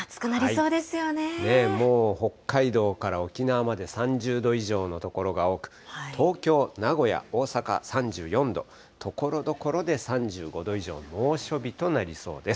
ねえ、もう北海道から沖縄まで３０度以上の所が多く、東京、名古屋、大阪３４度、ところどころで３５度以上の猛暑日となりそうです。